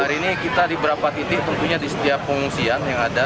hari ini kita di beberapa titik tentunya di setiap pengungsian yang ada